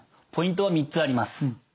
ポイントは３つあります。